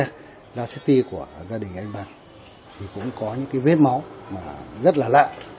trong chiếc xe la city của gia đình anh bằng thì cũng có những vết máu rất là lạ